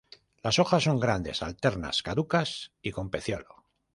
Las hojas son grandes, alternas, caducas y con peciolo.